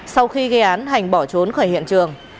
sau khi gây án hành bỏ trốn khỏi hiện trường